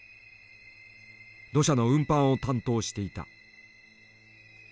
土砂の運搬を担当していた。